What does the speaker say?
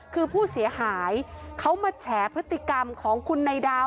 คือผู้เสียหายเขามาแฉพฤติกรรมของคุณนายดาว